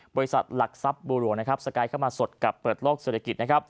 บริษัทหลักทรัพย์บูรวะสกายเข้ามาสดกับเปิดโลกเศรษฐกิจ